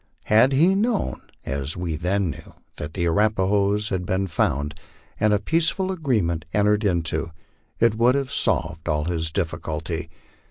Had he known, as we then knew, that the Arapahoes had been found, and a peaceful agreement entered into, it would have solved all his difficulty.